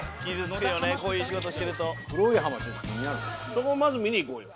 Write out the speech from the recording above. そこまず見に行こうよ。